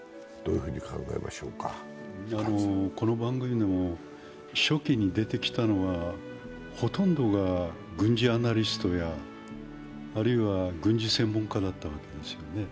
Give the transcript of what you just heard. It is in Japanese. この番組でも初期に出てきたのはほとんどが軍事アナリストやあるいは軍事専門家だったんですよね。